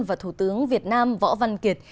và thủ tướng việt nam võ văn kiệt